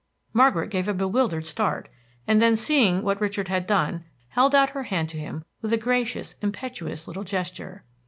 Margaret gave a bewildered start, and then seeing what Richard had done held out her hand to him with a gracious, impetuous little gesture.